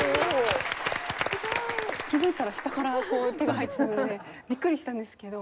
気づいたら下からこう手が入ってたのでビックリしたんですけど。